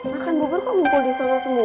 makan bubur kok